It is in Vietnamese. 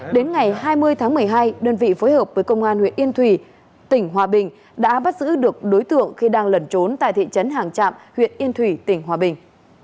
đến ngày hai mươi tháng một mươi hai đơn vị phối hợp với công an huyện yên thủy tỉnh hòa bình đã bắt giữ được đối tượng khi đang lẩn trốn tại thị trấn hàng trạm huyện yên thủy tỉnh hòa bình